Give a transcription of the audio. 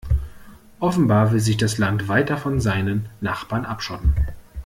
Offenbar will sich das Land weiter von seinen Nachbarn abschotten.